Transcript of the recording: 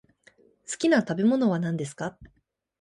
好きな食べ物は何ですか？